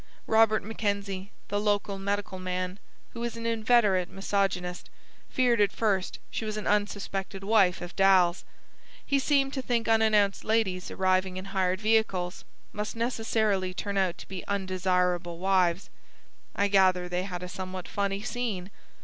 Robert Mackenzie, the local medical man, who is an inveterate misogynist, feared at first she was an unsuspected wife of Dal's. He seemed to think unannounced ladies arriving in hired vehicles must necessarily turn out to be undesirable wives. I gather they had a somewhat funny scene.